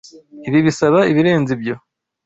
Ibi bisaba ibirenze ibyo.